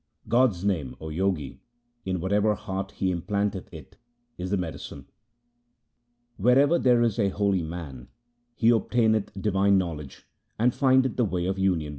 God's name, O Jogi, in whatever heart He implanteth it, is the medicine. Wherever there is a holy man he obtaineth divine know ledge, and findeth the way of union with Him.